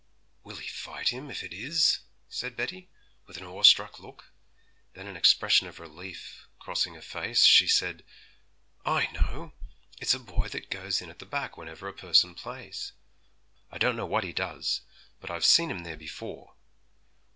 'Will he fight him if it is?' said Betty, with an awe struck look; then an expression of relief crossing her face, she said, 'I know; it's a boy that goes in at the back whenever a person plays. I don't know what he does, but I've seen him there before.'